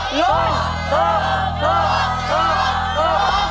ถูก